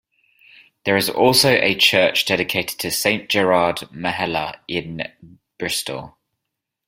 There is also a church dedicated to Saint Gerard Majella in Bristol.